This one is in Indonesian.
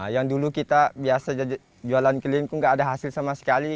yang dulu kita biasa jualan keliling itu nggak ada hasil sama sekali